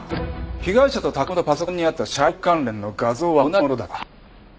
被害者と拓夢のパソコンにあったシャイロック関連の画像は同じものだった。